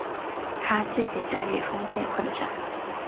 他积极参与封建混战。